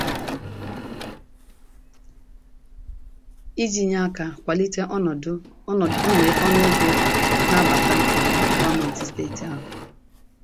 iji nye aka kwàlite ọnụego na-abàta n'àkpà gọọmenti steeti ahụ